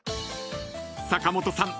［坂本さん